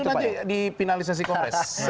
itu pak jamal kan dipinalisasi kongres